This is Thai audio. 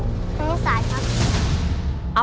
คณิตศาสตร์ครับ